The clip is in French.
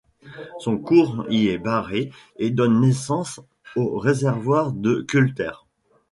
Son cours y est barré et donne naissance au réservoir de Cutler.